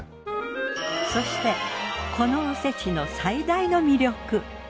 そしてこのおせちの最大の魅力。